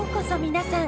皆さん。